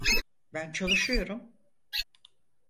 Ben çalışıyorum.